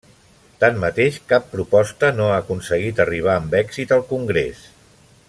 Tanmateix, cap proposta no ha aconseguit arribar amb èxit al Congrés.